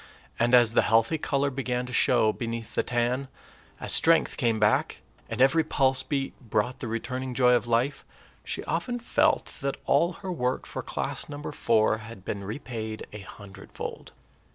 And as the healthy color began to show beneath the tan, as strength came back, and every pulse beat brought the returning joy of life, she often felt that all her work for class number four had been repaid a hundredfold.